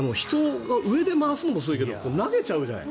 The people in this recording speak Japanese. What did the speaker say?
上で回すのもすごいけど投げちゃうじゃない。